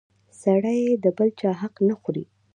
سړی د بل چا حق نه خوري!